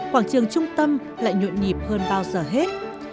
quảng trường trung tâm lại nhuộn nhịp hơn tất cả các nhà trung tâm